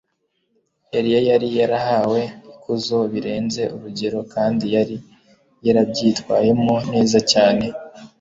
Eliya yari yarahawe ikuzo birenze urugero kandi yari yarabyitwayemo neza cyane